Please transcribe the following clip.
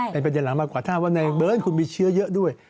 เป็นประเด็นหลังมากกว่าถ้าว่าในเบิร์ตคุณมีเชื้อเยอะด้วย